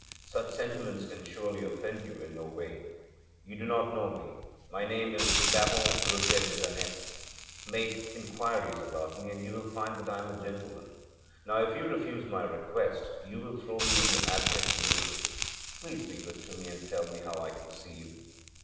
Such sentiments can surely offend you in no way! You do not know me. My name is Baron Roger des Annettes. Make inquiries about me, and you will find that I am a gentleman. Now, if you refuse my request, you will throw me into abject misery. Please be good to me and tell me how I can see you.'